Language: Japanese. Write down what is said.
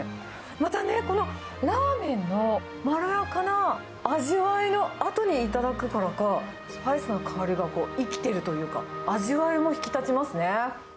またね、このラーメンのまろやかな味わいのあとに頂くからか、スパイスの香りが生きてるというか、味わいも引き立ちますね。